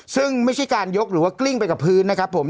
ซึ่งไม่ใช่การยกหรือว่ากลิ้งไปกับพื้นนะครับผม